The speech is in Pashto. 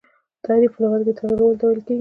تحریف په لغت کي تغیرولو ته ویل کیږي.